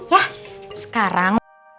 karena sekarang yang pernah ini luar biasa